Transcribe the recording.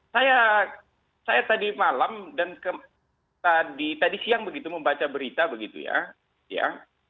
saya saya tadi malam dan ke tadi tadi siang begitu membaca berita begitu ya ya